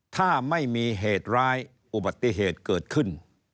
ถ้าไม่มีเหตุร้ายอุบัติเหตุเกิดขึ้น